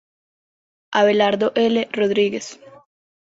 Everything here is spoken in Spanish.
Abelardo L. Rodríguez.